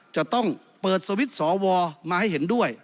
จะต้องเปิดสวิตช์สวมาให้เห็นด้วย